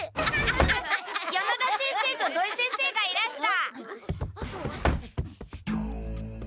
・山田先生と土井先生がいらした！